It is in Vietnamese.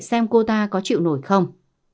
xem cô ta có chịu nổi không